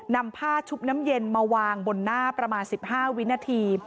นำผ้าชุบน้ำเย็นมาวางบนหน้าประมาณ๑๕วินาที